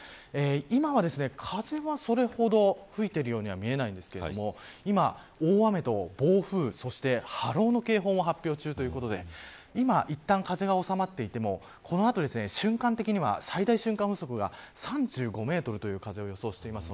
今は、風はそれほど吹いているように見えないんですけれども今、大雨と暴風、そして波浪の警報が発表中ということで今いったん風が収まっていてもこの後、瞬間的には最大瞬間風速が３５メートルという風を予想しています。